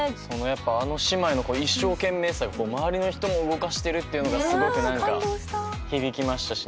やっぱあの姉妹の一生懸命さが周りの人も動かしてるっていうのがすごくなんか響きましたし。